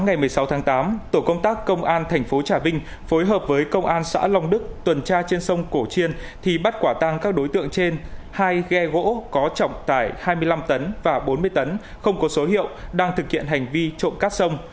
ngày một mươi sáu tháng tám tổ công tác công an thành phố trà vinh phối hợp với công an xã long đức tuần tra trên sông cổ chiên thì bắt quả tăng các đối tượng trên hai ghe gỗ có trọng tải hai mươi năm tấn và bốn mươi tấn không có số hiệu đang thực hiện hành vi trộm cắt sông